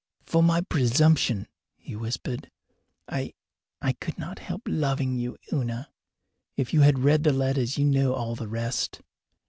"For my presumption," he whispered. "I I could not help loving you, Una. If you have read the letters you know all the rest."